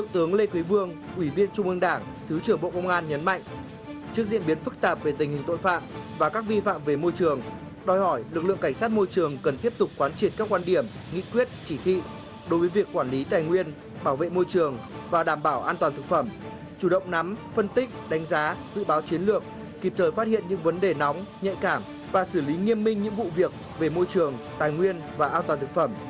trước diễn biến phức tạp về tình hình tội phạm và các vi phạm về môi trường đòi hỏi lực lượng cảnh sát môi trường cần tiếp tục quán triệt các quan điểm nghị quyết chỉ thị đối với việc quản lý tài nguyên bảo vệ môi trường và đảm bảo an toàn thực phẩm chủ động nắm phân tích đánh giá dự báo chiến lược kịp thời phát hiện những vấn đề nóng nhạy cảm và xử lý nghiêm minh những vụ việc về môi trường tài nguyên và an toàn thực phẩm